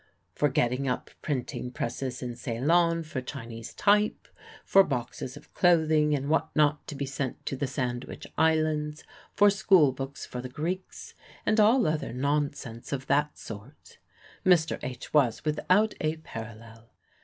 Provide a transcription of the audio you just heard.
For getting up printing presses in Ceylon for Chinese type, for boxes of clothing and what not to be sent to the Sandwich Islands, for school books for the Greeks, and all other nonsense of that sort, Mr. H. was without a parallel.